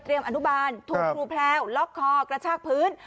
อนุบาลถูกครูแพลวล็อกคอกระชากพื้น